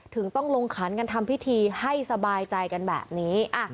ถึงต้องลงขันกันทำพิธีให้สบายใจกันแบบนี้